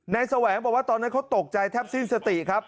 แสวงบอกว่าตอนนั้นเขาตกใจแทบสิ้นสติครับ